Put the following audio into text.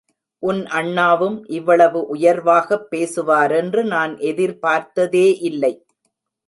உன் அண்ணாவும் இவ்வளவு உயர்வாகப் பேசுவாரென்று நான் எதிர் பார்த்ததே இல்லை.